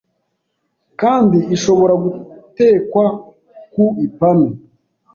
kandi ishobora gutekwa ku ipanu